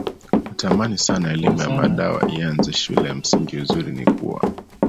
Natamani sana elimu ya madawa ianze shule ya msingiUzuri ni kuwa